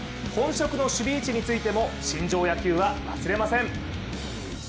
本職の守備位置についても新庄野球は忘れません。